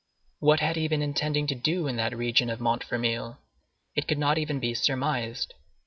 What had he been intending to do in that region of Montfermeil? It could not even be surmised.